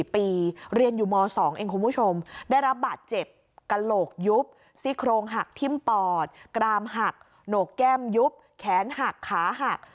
เรียนอยู่ม๒เองคุณผู้ชมได้รับบาดเจ็บกระโหลกยุบซี่โครงหักทิ้มปอดกรามหักโหนกแก้มยุบแขนหักขาหัก